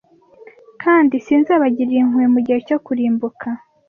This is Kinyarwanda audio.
Kandi sinzabagirira impuhwe mu gihe cyo kurimbuka